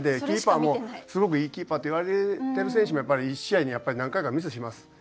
キーパーもすごくいいキーパーっていわれてる選手もやっぱり一試合にやっぱり何回かミスします。